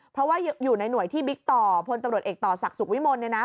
เพราะว่าอยู่ในหน่วยที่บิ๊กต่อพลตำรวจเอกต่อศักดิ์สุขวิมลเนี่ยนะ